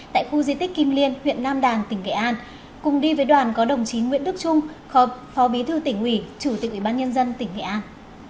tại khu di tích kim liên huyện nam đàn tỉnh nghệ an cùng đi với đoàn có đồng chí nguyễn đức trung khớp phó bí thư tỉnh ủy chủ tịch ủy ban nhân dân tỉnh nghệ an